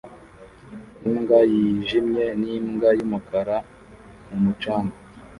Imbwa yijimye nimbwa yumukara mumucanga